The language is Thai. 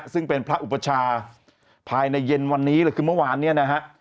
ซึ่งเป็นพระอุปชาภายในเย็นวันนี้เลยคือเมื่อวานเนี่ยนะฮะ